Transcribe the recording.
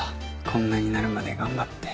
こんなになるまで頑張って。